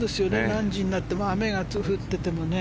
何時になっても雨が降っていてもね。